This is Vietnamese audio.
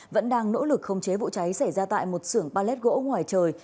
vẫn đang nỗ lực không chế vụ cháy xảy ra tại một xưởng pallet gỗ ngoài trời